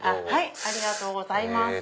ありがとうございます。